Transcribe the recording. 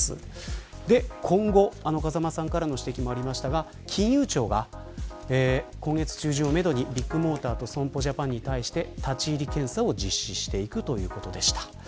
今後、金融庁が今月中旬をめどにビッグモーターと損保ジャパンに対して立ち入り検査を実施していくということでした。